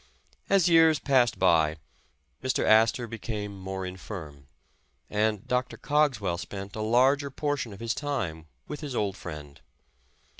As years passed by, Mr. Astor became more infirm, and Dr. Cogswell spent a larger portion of his time with his old friend.